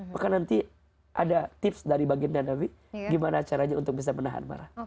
maka nanti ada tips dari baginda nabi gimana caranya untuk bisa menahan marah